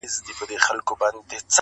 تاریخي ښارونه ځانګړې ښکلا لري